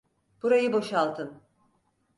Burayı boşaltın!